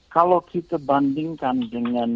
kalau kita bandingkan dengan